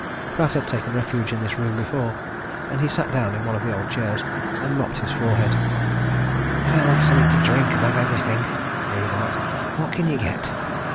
Pratt had taken refuge in this room before, and he sat down in one of the old chairs and mopped his forehead. "I want something to drink, above everything," he remarked. "What can you get?"